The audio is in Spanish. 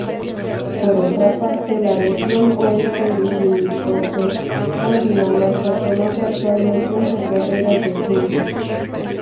Por otra parte, la región oeste limítrofe con Dinamarca conoce actualmente un verdadero declive.